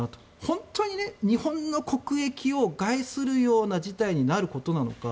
本当に日本の国益を害するような事態になることなのか。